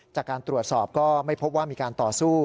จากการตรวจสอบก็ไม่พบว่ามีการต่อสู้